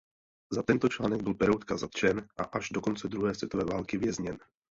Za tento článek byl Peroutka zatčen a až do konce druhé světové války vězněn.